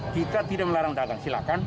kita tidak melarang dagang silakan